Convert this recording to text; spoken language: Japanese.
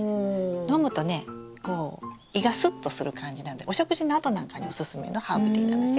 飲むとね胃がスッとする感じなんでお食事のあとなんかにおすすめのハーブティーなんですよ。